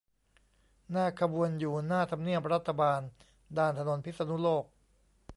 หน้าขบวนอยู่หน้าทำเนียบรัฐบาล ด้านถนนพิษณุโลก